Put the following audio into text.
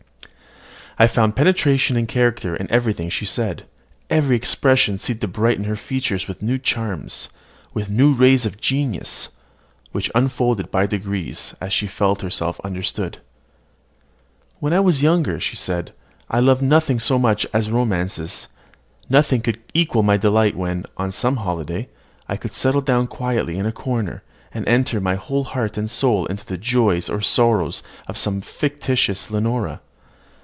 I found penetration and character in everything she said: every expression seemed to brighten her features with new charms, with new rays of genius, which unfolded by degrees, as she felt herself understood. "When I was younger," she observed, "I loved nothing so much as romances. Nothing could equal my delight when, on some holiday, I could settle down quietly in a corner, and enter with my whole heart and soul into the joys or sorrows of some fictitious Leonora.